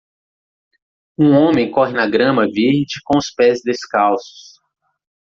Um homem corre na grama verde com os pés descalços.